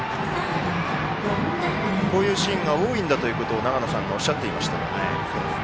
こういうシーンが多いんだと長野さんがおっしゃっていました。